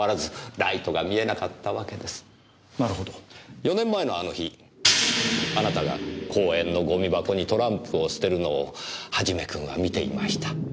４年前のあの日あなたが公園のゴミ箱にトランプを捨てるのを元君は見ていました。